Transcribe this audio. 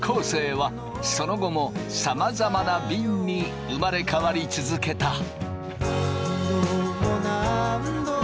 生はその後もさまざまなびんに生まれ変わり続けた。